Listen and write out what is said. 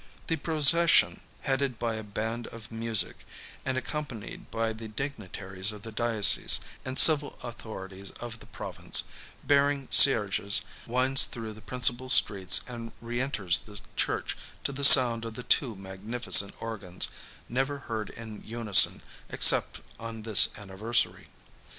The procession, headed by a band of music, and accompanied by the dignitaries of the diocese, and civil authorities of the province, bearing cierges, winds through the principal streets, and re enters the church to the sound of the two magnificent organs, never heard in unison except on this anniversary.